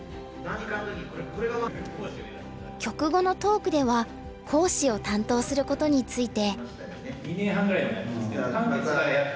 局後のトークでは講師を担当することについて。